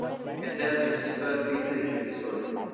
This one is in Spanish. Este es el principio del fin de dicho episodio.